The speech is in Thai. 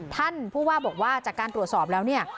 ท่านผู้ว่าบอกว่าจากการตรวจสอบแล้วเนี่ย